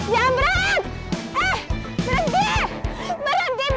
jangan berat eh berhenti berhenti balikin tas aku